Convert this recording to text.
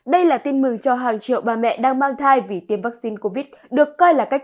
đây là tin mừng cho hàng triệu bà mẹ đang mang thai vì tiêm vaccine covid được coi là cách